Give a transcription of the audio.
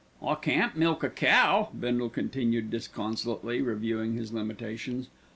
"I can't milk a cow," Bindle continued disconsolately, reviewing his limitations.